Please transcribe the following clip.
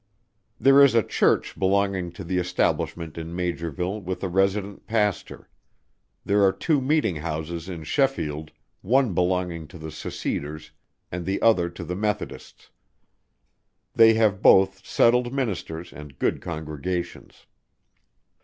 There is a Church belonging to the Establishment in Maugerville with a resident Pastor. There are two Meeting Houses in Sheffield, one belonging to the seceders, and the other to the Methodists. They have both settled Ministers and good congregations.